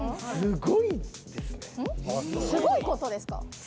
すごいですねすごいことですか？